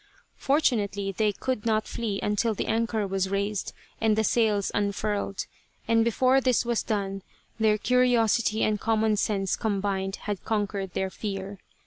Fortunately they could not flee until the anchor was raised and the sails unfurled, and before this was done their curiosity and common sense combined had conquered their fear.